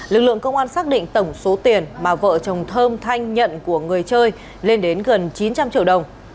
lực lượng công an xác định tổng số tiền